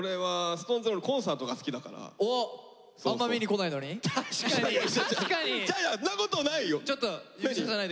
そんなことないよ！